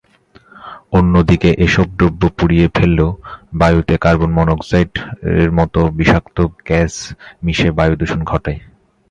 অন্যদিকে এসব দ্রব্য পুড়িয়ে ফেললেও বায়ুতে কার্বন-মনোক্সাইডের মতো বিষাক্ত গ্যাস মিশে বায়ুদূষণ ঘটায়।